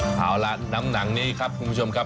เอาล่ะน้ำหนังนี้ครับคุณผู้ชมครับ